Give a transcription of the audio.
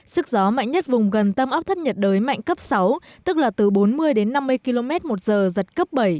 sức gió mạnh nhất vùng gần tâm áp thấp nhiệt đới mạnh cấp sáu tức là từ bốn mươi đến năm mươi km một giờ giật cấp bảy